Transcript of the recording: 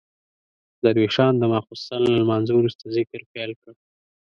درویشان د ماخستن له لمانځه وروسته ذکر پیل کړ.